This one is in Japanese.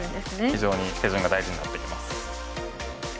非常に手順が大事になってきます。